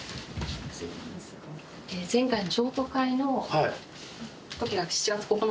前回の。